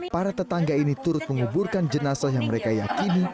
para tetangga ini turut menguburkan jenazah yang mereka yakini